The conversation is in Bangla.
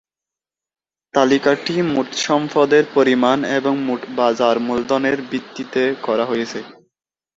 তালিকাটি মোট সম্পদের পরিমাণ এবং মোট বাজার মূলধনের ভিত্তিতে করা হয়েছে।